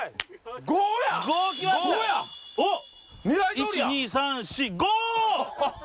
１２３４５！